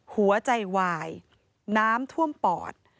หัวใจวายน้ำท่วมปอด